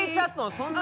そんな。